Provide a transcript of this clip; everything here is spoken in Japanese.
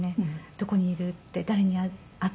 「どこにいる」って「誰に会った」って。